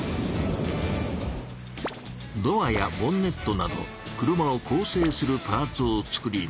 ドアやボンネットなど車をこう成するパーツを作ります。